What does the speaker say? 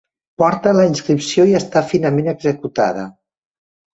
Porta la inscripció i està finament executada.